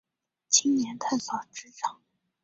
青年探索职场